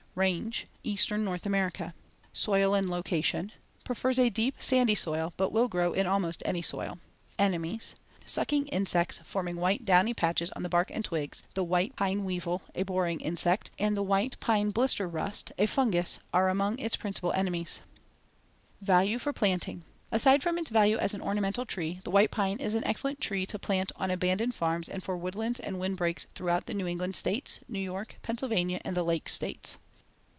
Range: Eastern North America. Soil and location: Prefers a deep, sandy soil, but will grow in almost any soil. Enemies: Sucking insects forming white downy patches on the bark and twigs, the white pine weevil, a boring insect, and the white pine blister rust, a fungus, are among its principal enemies. [Illustration: FIG. 3. The White Pine.] Value for planting: Aside from its value as an ornamental tree, the white pine is an excellent tree to plant on abandoned farms and for woodlands and windbreaks throughout the New England States, New York, Pennsylvania, and the Lake States.